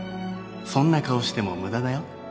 そんな顔しても無駄だよ